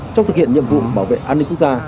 trong thực hiện nhiệm vụ bảo vệ an ninh quốc gia